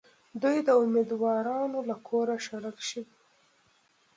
دوی د اُمیدوارانو له کوره شړل شوي دي.